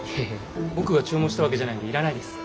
僕が注文したわけじゃないんでいらないです。